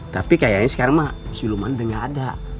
tapi kayaknya sekarang siluman udah nggak ada